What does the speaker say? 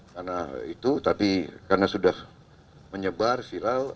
karena itu tapi karena sudah menyebar viral